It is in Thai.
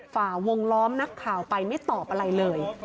ฝ่าวงล้อมนักข่าวไปไม่ตอบอะไรเลย